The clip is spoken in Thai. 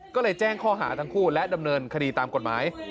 ก็เลยแจ้งข้อหาทั้งคู่และดำเนินคดีตามกฎหมาย